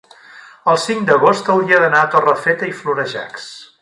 el cinc d'agost hauria d'anar a Torrefeta i Florejacs.